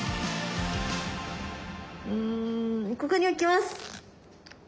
うんここに置きます。